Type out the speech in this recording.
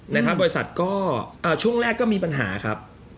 นะครับบริษัทก็ช่วงแรกก็มีปัญหาครับ